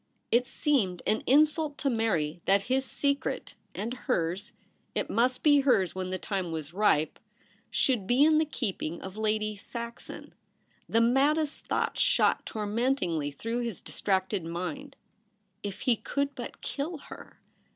It seemed an insult to Mary that his secret — and hers : it must be hers when the time was ripe — should be in the 19 — 2 292 THE REBEL ROSE. keeping of Lady Saxon. The maddest thoughts shot tormentlngly through his dis tracted mind. If he could but kill her!